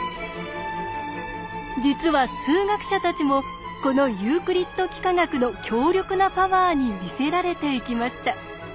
実は数学者たちもこのユークリッド幾何学の強力なパワーに魅せられていきました。